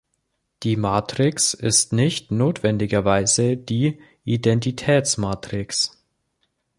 Die Matrix ist „nicht“ notwendigerweise die Identitätsmatrix.